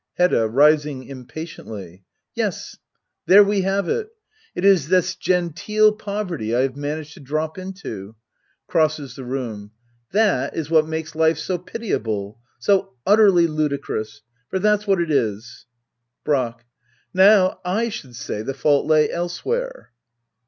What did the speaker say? Hedda. [Rising impatientlf^,] Yes, there we have it! It is this genteel poverty I have managed to drop into ! [Crosses the room,] That is what makes life so pitiable ! So utterly ludicrous !— For that's what it is. Brack. Now / should say the fault lay elsewhere.